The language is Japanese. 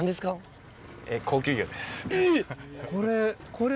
これ。